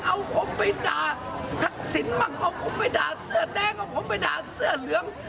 เอาผมไปด่าทักษิณบ้างเอาผมไปด่าเสื้อแดงเอาผมไปด่าเสื้อเหลือง